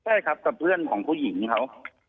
ใช่ครับกับเพื่อนของผู้หญิงเขา